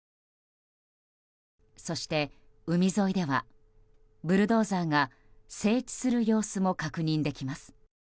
そして海沿いではブルドーザーが整地する様子も確認できます。